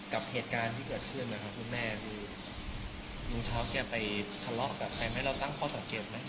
กับเหตุการณ์ที่เกิดขึ้นนะครับคุณแม่คือลุงเช้าแกไปทะเลาะกับใครไหมเราตั้งข้อสังเกตไหม